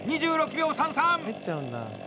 ２６秒３３！